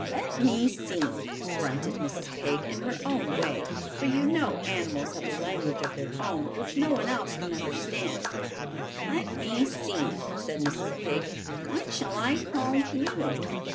"Let me see," grunted Mrs. Pig in her own way, for you know animals have a language of their own which no one else can understand. "Let me see," said Mrs. Pig, "what shall I call you?"